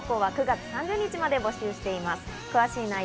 動画投稿は９月３０日まで募集しています。